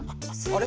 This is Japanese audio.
あれ？